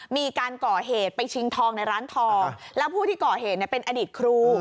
มีการก่อเหตุไปชิงทองในร้านทองแล้วผู้ที่ก่อเหตุเป็นอดีตครู